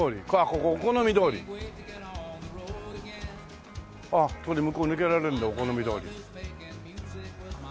ここお好み通り。ああ通り向こう抜けられるんだお好み通り。